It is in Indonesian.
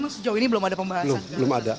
sejauh ini belum ada pembahasan